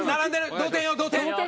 同点よ同点！